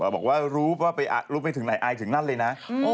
บอกว่ารู้ไปถึงไหนไอถึงทั้งนั้นเลยนะ